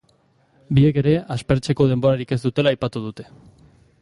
Biek ere, aspertzeko denborarik ez dutela aipatu dute.